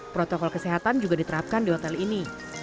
protokol kesehatan juga diterapkan di hotel ini